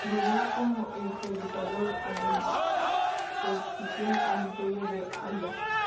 Volverá como "El Predicador" a desprestigiar al Imperio de Alia.